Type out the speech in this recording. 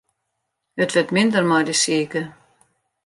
It wurdt minder mei de sike.